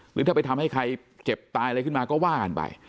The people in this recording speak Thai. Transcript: หรือถ้าไปทำให้ใครเจ็บตายอะไรขึ้นมาก็ว่ากันไป